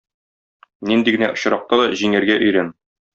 Нинди генә очракта да җиңәргә өйрән.